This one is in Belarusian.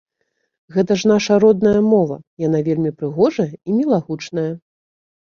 Гэта ж нашая родная мова, яна вельмі прыгожая і мілагучная.